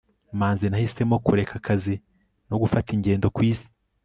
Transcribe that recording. manzi nahisemo kureka akazi no gufata ingendo ku isi